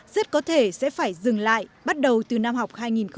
rất có thể sẽ phải dừng lại bắt đầu từ năm học hai nghìn hai mươi hai nghìn hai mươi một